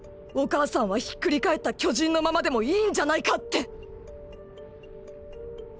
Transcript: お母さんはひっくり返った巨人のままでもいいんじゃないかって！！